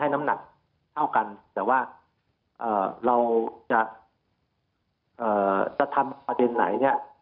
น้ำหนักเท่ากันแต่ว่าเราจะทำประเด็นไหนเนี่ย